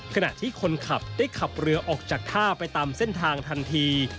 ขณะที่คนขับได้ขับเรือออกจากท่าไปตามเส้นทางทันที